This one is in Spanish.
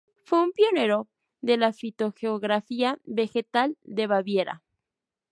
Fue un pionero de la fitogeografía vegetal de Baviera.